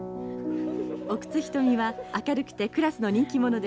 奥津牟は明るくてクラスの人気者です。